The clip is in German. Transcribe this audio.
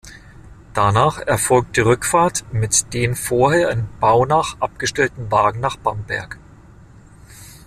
Danach erfolgt die Rückfahrt mit den vorher in Baunach abgestellten Wagen nach Bamberg.